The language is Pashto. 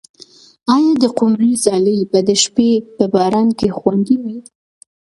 آیا د قمرۍ ځالۍ به د شپې په باران کې خوندي وي؟